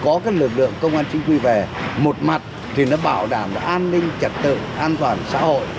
có các lực lượng công an chính quy về một mặt thì nó bảo đảm an ninh trật tự an toàn xã hội